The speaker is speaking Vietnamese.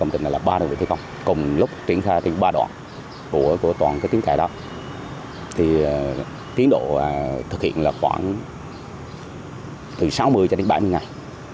thì tiến độ thực hiện là khoảng từ sáu mươi cho đến bảy mươi ngày